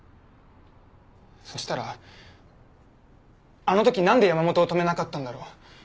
そしたらあの時なんで山本を止めなかったんだろう